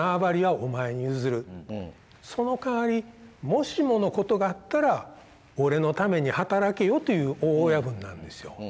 そのかわりもしものことがあったら俺のために働けよ」という大親分なんですよ。